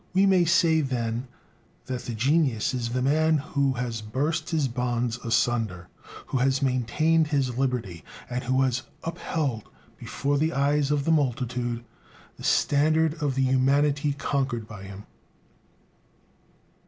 We may say, then, that the genius is the man who has burst his bonds asunder, who has maintained his liberty, and who has upheld before the eyes of the multitude the standard of the humanity conquered by him.